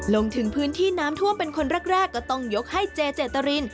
ลงถึงพื้นที่น้ำท่วมเป็นคนแรกก็ต้องยกให้เจเจตริน